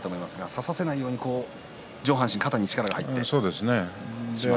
差させないように上半身に力が入ってしまったんですね。